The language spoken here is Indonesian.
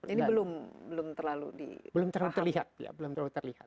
ini belum terlalu terlihat